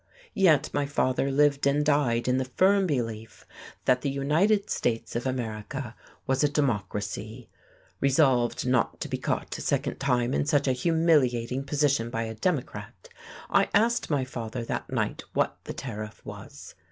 Yet my father lived and died in the firm belief that the United States of America was a democracy! Resolved not to be caught a second time in such a humiliating position by a Democrat, I asked my father that night what the Tariff was.